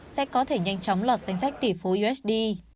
sẽ có thể nhanh chóng lọt danh sách tỷ phú usd